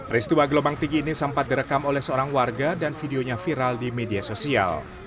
restua gelombang tinggi ini sempat direkam oleh seorang warga dan videonya viral di media sosial